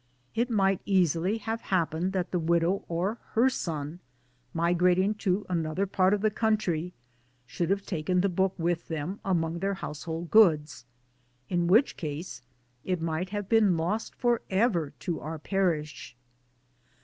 It might easily have happened that the widow or her son, migrating to another part of the country, should have taken the book with them among] their household goods in which' case it might have been lost for ever to our Parish.